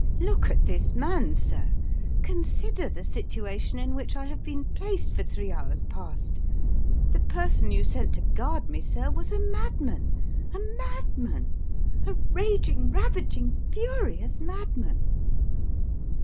" Look at this man, sir ; consider the situation in which I have been placed for three hours past the person you sent to guard me, sir, was a madman a madman a raging, ravaging, furious madman."